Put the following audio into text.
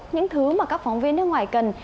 những thứ mà các phóng viên nước ngoài cần